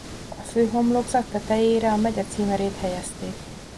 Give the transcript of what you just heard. A főhomlokzat tetejére a megye címerét helyezték.